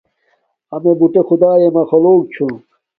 امݺ بُٹݺ خدݳئݺ مخلݸق چھݸم.